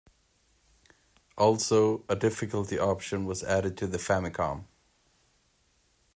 Also, a difficulty option was added to the Famicom.